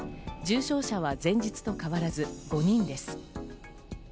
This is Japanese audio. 重症者は前日と変わらず５人です。